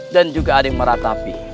dan juga ada yang meratapi